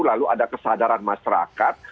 lalu ada kesadaran masyarakat